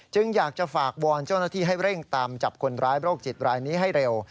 อยากจะฝากวอนเจ้าหน้าที่ให้เร่งตามจับคนร้ายโรคจิตรายนี้ให้เร็ว